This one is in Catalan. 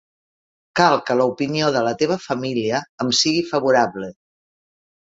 Cal que l'opinió de la teva família em sigui favorable.